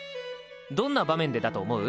どんな場面でだと思う？